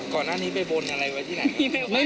ก่อนหน้านี้ไปบนอะไรไว้ที่ไหน